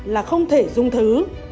là không thể dung thứ